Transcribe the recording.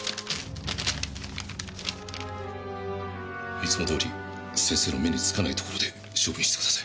いつも通り先生の目につかない所で処分してください。